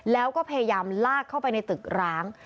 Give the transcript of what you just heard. แล้วก็พยายามลากเข้าไปในตึกร้าง